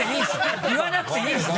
言わなくていいでしょ